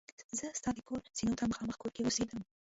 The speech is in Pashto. زه ستا د کور زینو ته مخامخ کور کې اوسېدم.